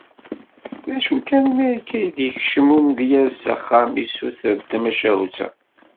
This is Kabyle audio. D acu kan, mi akka i d-yekcem umedyaz s axxam, issuter-d tamacahut-a.